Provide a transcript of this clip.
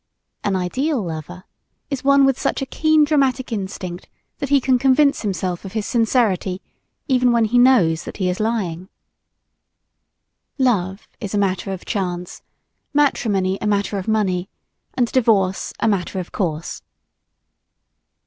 An ideal lover is one with such a keen dramatic instinct that he can convince himself of his sincerity even when he knows that he is lying. Love is a matter of chance; matrimony a matter of money, and divorce a matter of course.